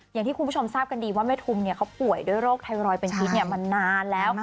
อย่างที่คุณผู้ชมทราบกันดีว่าแม่ทุมเขาป่วยด้วยโรคไทรอยด์เป็นพิษมานานแล้ว